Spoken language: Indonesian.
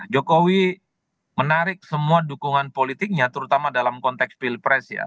jokowi menarik semua dukungan politiknya terutama dalam konteks pilpres ya